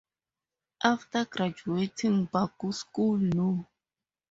After graduating Baku school no.